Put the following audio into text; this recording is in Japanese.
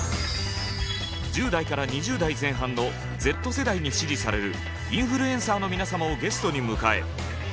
１０代から２０代前半の「Ｚ世代」に支持されるインフルエンサーの皆様をゲストに迎え。